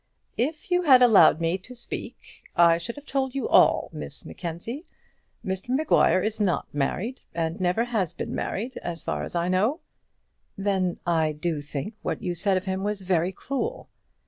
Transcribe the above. "If you had allowed me, I should have told you all, Miss Mackenzie. Mr Maguire is not married, and never has been married, as far as I know." "Then I do think what you said of him was very cruel."